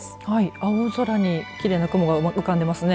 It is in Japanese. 青空にきれいな雲が浮かんでますね。